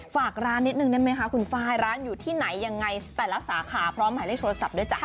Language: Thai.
ฝากร้านนิดนึงได้ไหมคะคุณไฟล์ร้านอยู่ที่ไหนยังไงแต่ละสาขาพร้อมหมายเลขโทรศัพท์ด้วยจ้ะ